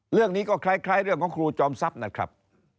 เรื่องนี้ก็คล้ายเรื่องของครูจอมทรัพย์นะครับ